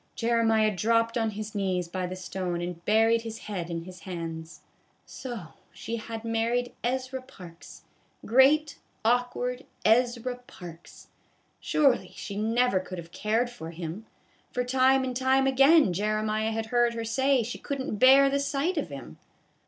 Jeremiah dropped on his knees by the stone and buried his head in his hands. So she had married Ezra Parks, great awkward Ezra Parks. Surely she never could have cared for him, for time and time again Jeremiah had heard her say she could n't bear the sight of him.